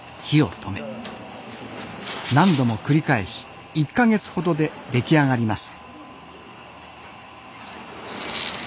何度も繰り返し１か月ほどで出来上がります。